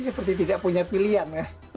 seperti tidak punya pilihan